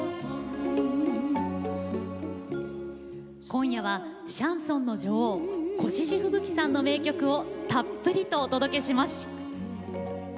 今夜はシャンソンの女王越路吹雪さんの名曲をたっぷりとお届けします。